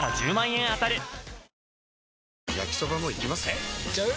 えいっちゃう？